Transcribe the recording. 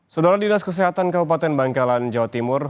saudara dinas kesehatan kabupaten bangkalan jawa timur